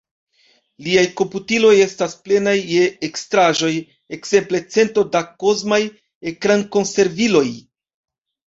Liaj komputiloj estaj plenaj je ekstraĵoj, ekzemple cento da kosmaj ekrankonserviloj!